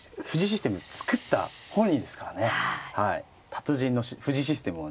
達人の藤井システムをね